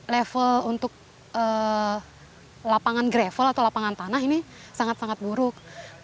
level untuk lapangan gravel atau lapangan tanah ini sangat sangat buruk